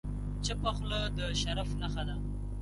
چپه خوله، د شرف نښه ده.